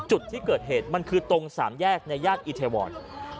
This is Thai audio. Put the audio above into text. จุดที่เกิดเหตุมันคือตรงสามแยกในย่านอีเทวอน